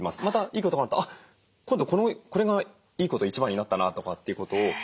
またいいことがあると「今度これがいいこと一番になったな」とかっていうことを。